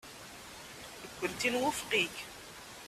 Nekkenti nwufeq-ik.